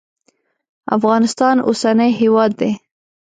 افغانستان اوسنی هیواد دی.